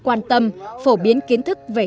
quan tâm phổ biến kiến thức về